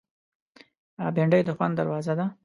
بېنډۍ د خوند دروازه ده